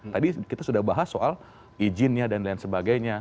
tadi kita sudah bahas soal izinnya dan lain sebagainya